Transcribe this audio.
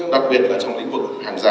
đặc biệt là trong lĩnh vực hàng giả